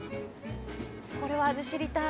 これは味知りたい。